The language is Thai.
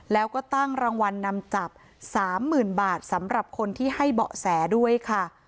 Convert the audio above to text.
แล้วก็ตั้งรางวัลนำจับ๓๐๐๐บาทสำหรับคนที่ให้เบาะแสด้วยค่ะ